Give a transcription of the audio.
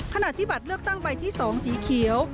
ขณะที่บัตรเลือกตั้งใบที่๒สีเขียว